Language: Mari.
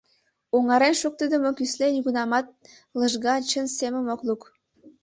Оҥарен шуктыдымо кӱсле нигунамат лыжга, чын семым ок лук.